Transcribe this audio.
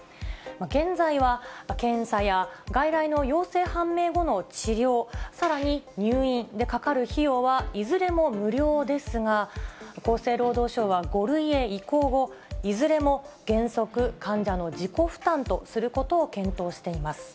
現在は、検査や外来の陽性判明後の治療、さらに入院でかかる費用は、いずれも無料ですが、厚生労働省は５類へ移行後、いずれも原則、患者の自己負担とすることを検討しています。